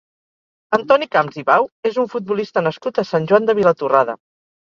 Antoni Camps i Bau és un futbolista nascut a Sant Joan de Vilatorrada.